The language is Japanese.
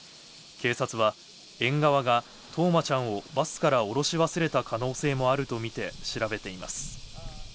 警察は園側が冬生ちゃんをバスから降ろし忘れた可能性もあるとみて調べています。